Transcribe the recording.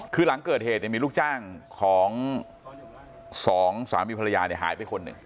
คือหลังเกิดเหตุมีลูกจ้างของสองสามีภรรยาหายไปคนหนึ่ง